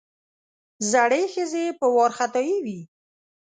زړې ښځې په وارخطايي وې.